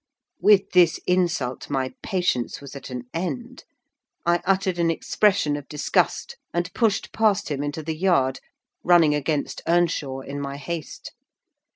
With this insult my patience was at an end. I uttered an expression of disgust, and pushed past him into the yard, running against Earnshaw in my haste.